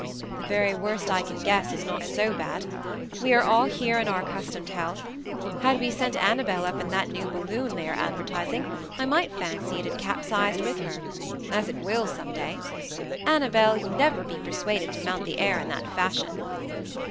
"The very worst I can guess is not so bad. We are all here in our accustomed health. Had we sent Annabel up in that new balloon they are advertising, I might fancy it had capsized with her as it will some day. Annabel, never you be persuaded to mount the air in that fashion."